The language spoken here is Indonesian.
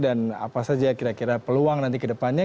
dan apa saja kira kira peluang nanti kedepannya